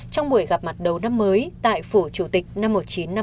trong buổi gặp mặt đấu năm mới tại phủ chủ tịch năm một nghìn chín trăm năm mươi năm